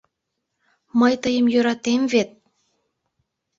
Мый тыйым йӧратем вет!